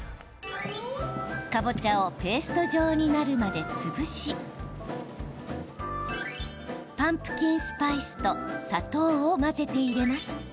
かぼちゃをペースト状になるまで潰しパンプキンスパイスと砂糖を混ぜて入れます。